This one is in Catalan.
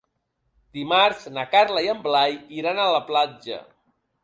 Dimarts na Carla i en Blai iran a la platja.